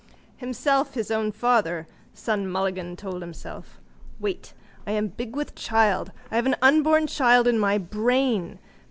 —Himself his own father, Sonmulligan told himself. Wait. I am big with child. I have an unborn child in my brain.